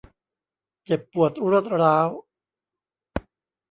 เจ็บปวดรวดร้าว